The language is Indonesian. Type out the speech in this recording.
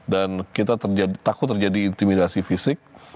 dan kita takut terjadi intimidasi fisik